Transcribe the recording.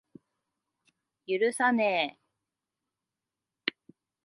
許さねぇ。